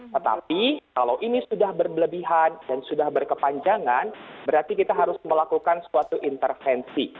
tetapi kalau ini sudah berlebihan dan sudah berkepanjangan berarti kita harus melakukan suatu intervensi